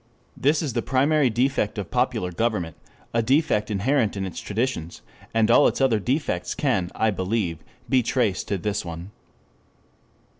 This is the primary defect of popular government, a defect inherent in its traditions, and all its other defects can, I believe, be traced to this one.